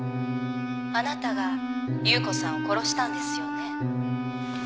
あなたが夕子さんを殺したんですよね？